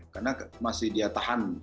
karena masih dia tahan